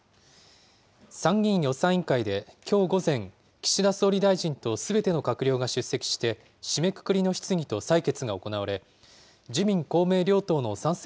参議院予算委員会できょう午前、岸田総理大臣とすべての閣僚が出席して、締めくくりの質疑と採決が行われ、自民、公明両党の賛成